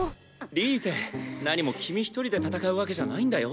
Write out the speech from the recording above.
リーゼ何も君一人で戦うわけじゃないんだよ。